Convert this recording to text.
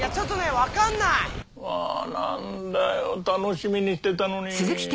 わあなんだよ楽しみにしてたのに。